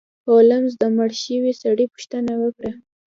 هولمز د مړ شوي سړي پوښتنه وکړه.